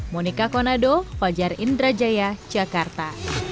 monika konado fajar indrajaya jakarta